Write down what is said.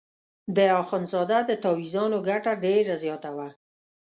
د اخندزاده د تاویزانو ګټه ډېره زیاته وه.